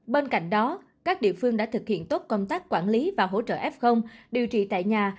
bên cạnh đó các địa phương đã thực hiện tốt công tác quản lý và hỗ trợ f điều trị tại nhà